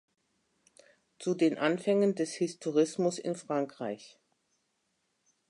Zu den Anfängen des Historismus in Frankreich".